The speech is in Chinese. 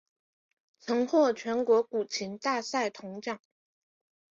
曾获全国古琴大赛铜奖。